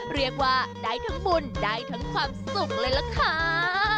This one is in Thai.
เรียกว่าได้ทั้งบุญได้ทั้งความสุขเลยล่ะค่ะ